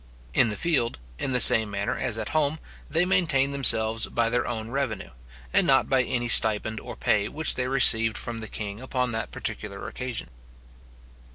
In the field, in the same manner as at home, they maintained themselves by their own revenue, and not by any stipend or pay which they received from the king upon that particular occasion.